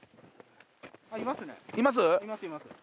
いますね。